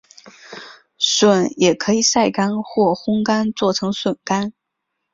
笋也可以晒干或烘干做成笋干。